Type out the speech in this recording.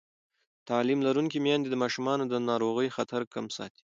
تعلیم لرونکې میندې د ماشومانو د ناروغۍ خطر کم ساتي.